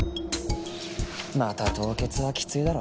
また凍結はきついだろ。